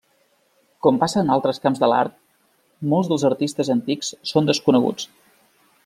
Com passa en altres camps de l'art, molts dels artistes antics són desconeguts.